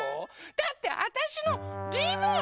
だってわたしのリボン！